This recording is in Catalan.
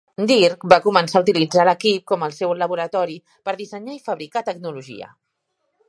Dirk va començar a utilitzar l'equip com el seu laboratori per dissenyar i fabricar tecnologia.